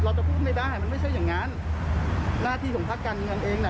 เราจะพูดไม่ได้มันไม่ใช่อย่างนั้นหน้าที่ของภาคการเงินเองน่ะ